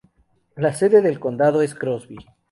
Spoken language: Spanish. La sede del condado es Crosby.